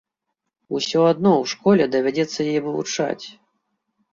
Усё адно ў школе давядзецца яе вывучаць!